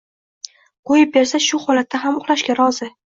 Qoʻyib bersa, shu holatda ham uxlashga rozi.